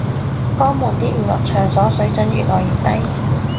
江門啲娛樂場所水準越來越低